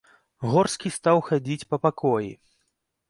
Горскі стаў хадзіць па пакоі.